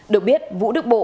được biết vũ đức bộ